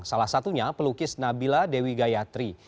salah satunya pelukis nabila dewi gayatri